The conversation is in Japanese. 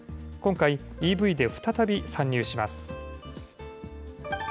今回、ＥＶで再び参入します。